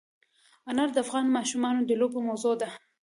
انار د افغان ماشومانو د لوبو موضوع ده.